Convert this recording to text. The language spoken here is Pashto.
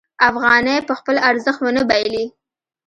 افغانۍ به خپل ارزښت ونه بایلي.